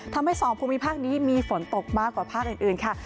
ทำให้สองภูมิภาคนี้มีฝนตกมากกว่าภาคอื่นค่ะ